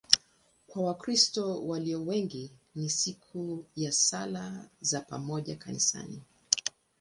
Kwa Wakristo walio wengi ni siku ya sala za pamoja kanisani.